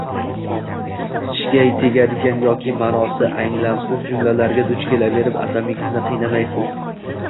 Tishga tegadigan yoki maʼnosi anglamsiz jumlalarga duch kelaverib, asabingizni qiynamaysiz